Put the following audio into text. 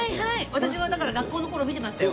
私もだから学校の頃見てましたよ。